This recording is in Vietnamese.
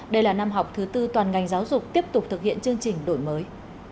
đây là năm học thứ tư toàn ngành giáo dục tiếp tục thực hiện chương trình đổi mới